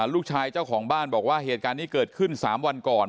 เจ้าของบ้านบอกว่าเหตุการณ์นี้เกิดขึ้น๓วันก่อน